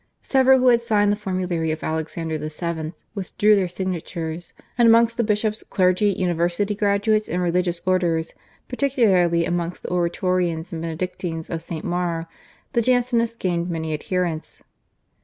Several who had signed the formulary of Alexander VII. withdrew their signatures, and amongst the bishops, clergy, university graduates, and religious orders, particularly amongst the Oratorians and Benedictines of St. Maur, the Jansenists gained many adherents.